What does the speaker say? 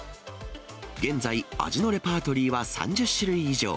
現在、味のレパートリーは３０種類以上。